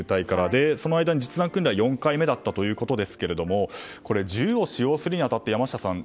その間に、実弾訓練は４回目だったということですが銃を使用するに当たって山下さん